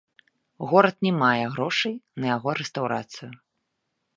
Горад не мае грошай на яго рэстаўрацыю.